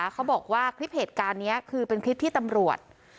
เขาบอกว่าคลิปเหตุการณ์นี้คือเป็นคลิปที่ตำรวจ